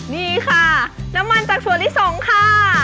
นี่ค่ะน้ำมันจากถั่วลิสงค่ะ